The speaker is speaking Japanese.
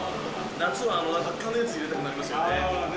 夏はハッカのやつ、入れたくなりますよね。